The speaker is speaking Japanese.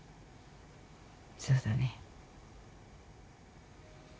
そうだね。